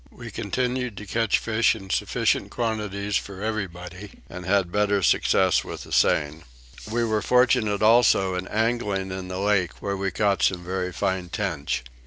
We continued to catch fish in sufficient quantities for everybody and had better success with the seine. We were fortunate also in angling in the lake where we caught some very fine tench.